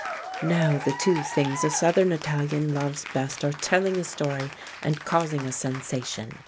" Now the two things a Southern Italian loves best are telling a story and causing a sensation.